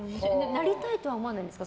なりたいとは思わないんですか？